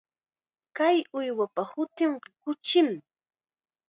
Kay uywapa hutinqa kuchim.